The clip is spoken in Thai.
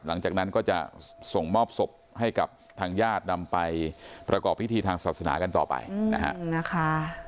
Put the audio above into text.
หลังจากนั้นก็จะส่งมอบศพให้กับทางญาตินำไปประกอบพิธีทางศาสนากันต่อไปนะฮะ